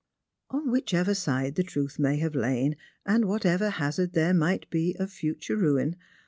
On whichever side the truth may have lain, and whatever hazard there might be of future ruin.